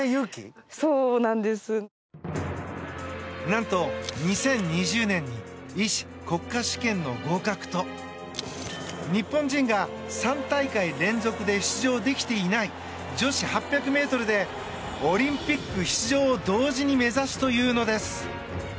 何と２０２０年に医師国家試験の合格と日本人が３大会連続で出場できていない女子８００ｍでオリンピック出場を同時に目指すというのです。